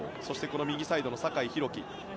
そして、右サイドの酒井宏樹。